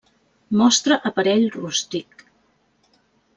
Mostra aparell rústic.